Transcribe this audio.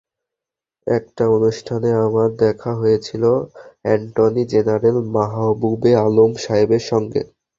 একটি অনুষ্ঠানে আমার দেখা হয়েছিল অ্যাটর্নি জেনারেল মাহবুবে আলম সাহেবের সঙ্গে।